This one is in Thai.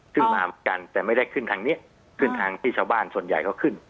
ซึ่งมากันแต่ไม่ได้ขึ้นทางนี้ขึ้นทางที่ชาวบ้านส่วนใหญ่เขาขึ้น